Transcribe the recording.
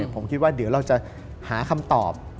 ผมคิดว่าเดี๋ยวเราจะหาคำตอบ